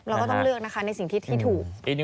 เราก็ต้องเลือกนะคะในสิ่งที่ถูก